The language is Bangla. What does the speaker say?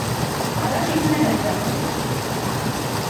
তারা সেখানে যাত্রা করে।